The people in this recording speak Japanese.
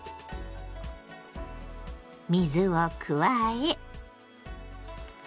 水を加え。